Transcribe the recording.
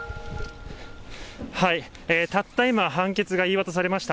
たった今、判決が言い渡されました。